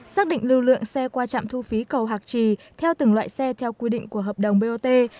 xác định lưu lượng xe qua trạm thu phí cầu hạc trì theo từng loại xe theo quy định của hợp đồng bot